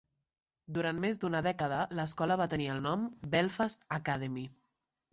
Durant més d"una dècada l"escola va tenir el nom "Belfast Academy".